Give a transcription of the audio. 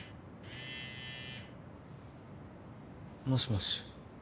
もしもし。